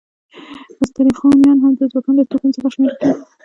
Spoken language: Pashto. استرخانیان هم د ازبکانو له توکم څخه شمیرل کیږي.